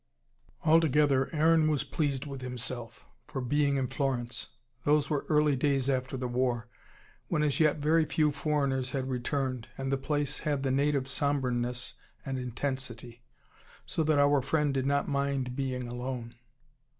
Altogether Aaron was pleased with himself, for being in Florence. Those were early days after the war, when as yet very few foreigners had returned, and the place had the native sombreness and intensity. So that our friend did not mind being alone.